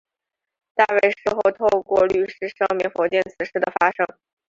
大卫事后透过律师声明否定此事的发生。